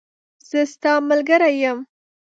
زه ستاملګری یم .